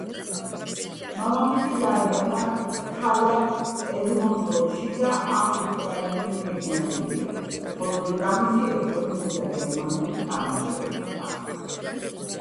მამამისი დაიბადა ქალაქ ედმონტონში და აქვს უკრაინული გენეალოგია, ხოლო დედამისი ესტონური და გერმანული წარმოშობისაა.